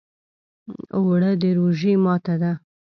اوړه د روژې ماته ده